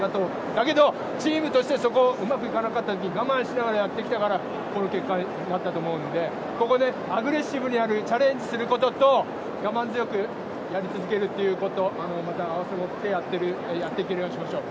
だけど、チームとしてうまくいかなかった時我慢してやってきたからこの結果だったと思うのでここでアグレッシブにやるチャレンジすることと我慢強くやり続けることをまた併わせ持ってやっていけるようにしましょう。